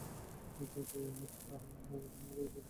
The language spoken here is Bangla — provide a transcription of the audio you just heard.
তাই ভয়ও হচ্ছে কারণ আমার যাই পছন্দ করি সেটা হারিয়ে যায়।